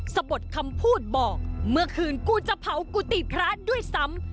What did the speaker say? สะบดคำพูดบอกเมื่อคืนกูจะเผากุฏิพระด้วยซ้ำ